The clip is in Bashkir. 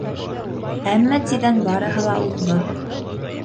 Әммә тиҙҙән барыһы ла уҙҙы.